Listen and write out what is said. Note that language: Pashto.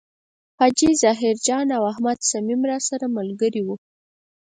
حاجي ظاهر جان او احمد صمیم راسره ملګري و.